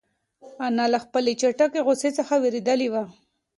انا له خپلې چټکې غوسې څخه وېرېدلې وه.